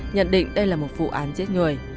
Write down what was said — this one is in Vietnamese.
nhận định đây là một vụ án giết người